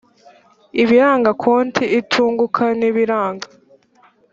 ibiranga konti itunguka n ibiranga